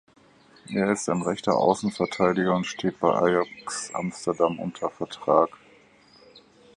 Er ist ein rechter Außenverteidiger und steht bei Ajax Amsterdam unter Vertrag.